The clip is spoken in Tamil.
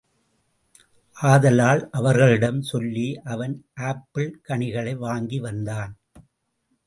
ஆதலால், அவர்களிடம் சொல்லி, அவன் ஆப்பிள் கனிகளை வாங்கி வந்தான்.